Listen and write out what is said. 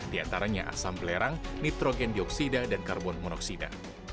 diantaranya asam belerang nitrogen dioksida dan karbon monoksida